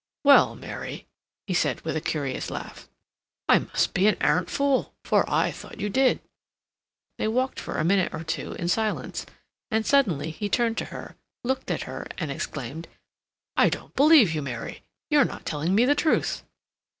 "Well, Mary," he said, with a curious laugh, "I must be an arrant fool, for I thought you did." They walked for a minute or two in silence, and suddenly he turned to her, looked at her, and exclaimed: "I don't believe you, Mary. You're not telling me the truth."